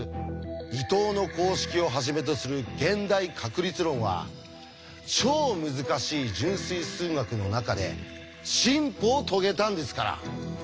伊藤の公式をはじめとする現代確率論は超難しい純粋数学の中で進歩を遂げたんですから。